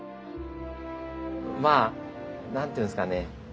まあ何て言うんですかね